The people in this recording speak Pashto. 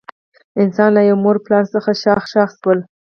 انسانان له یوه مور او پلار څخه شاخ شاخ شول.